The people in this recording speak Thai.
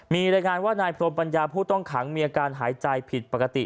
มีรายงานว่านายพรมปัญญาผู้ต้องขังมีอาการหายใจผิดปกติ